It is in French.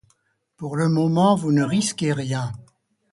Pour le moment, vous ne risquez rien.